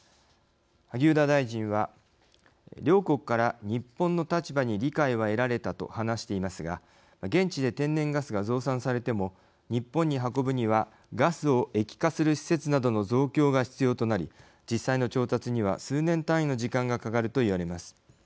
萩生田大臣は「両国から日本の立場に理解は得られた」と話していますが現地で天然ガスが増産されても日本に運ぶにはガスを液化する施設などの増強が必要となり実際の調達には数年単位の時間がかかるといわれます。